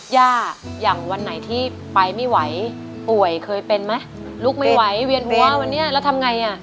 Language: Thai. ย่าอย่างวันไหนที่ไปไม่ไหวป่วยเคยเป็นไหมลุกไม่ไหวเวียนหัววันนี้แล้วทำไงอ่ะ